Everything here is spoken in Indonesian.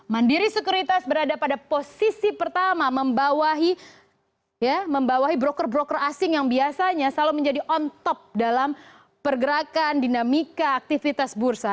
mandiri sekuritas berada pada posisi pertama membawahi broker broker asing yang biasanya selalu menjadi on top dalam pergerakan dinamika aktivitas bursa